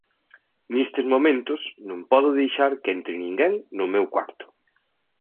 Nestes momentos non podo deixar que entre ninguén no meu cuarto.